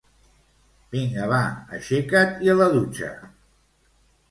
Vinga va, aixeca't i a la dutxa!